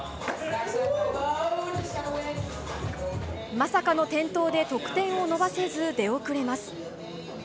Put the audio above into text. まさかの転倒で得点を伸ばせず出遅れます。